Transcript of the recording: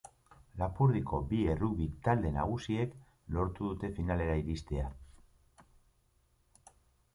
Lapurdiko bi errugbi talde nagusiek lortu dute finalera iristea.